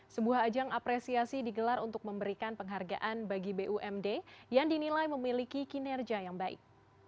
sebuah ajang apresiasi digelar untuk memberikan penghargaan bagi bumd yang dinilai memiliki kinerja yang baik